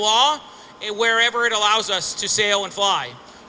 di mana saja kita dapat berlari